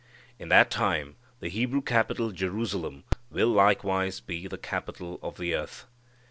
In that time the Hebrew capital Jerusalem will likewise be the capital of the earth.